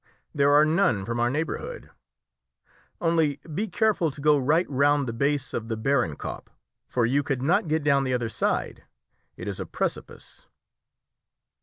There are none from our neighbourhood. Only be careful to go right round the base of the Behrenkopp, for you could not get down the other side. It is a precipice."